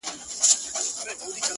دا عيسی ابن مريم درپسې ژاړي _